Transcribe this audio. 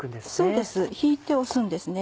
そうです引いて押すんですね。